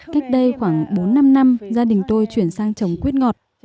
cách đây khoảng bốn năm năm gia đình tôi chuyển sang trồng quýt ngọt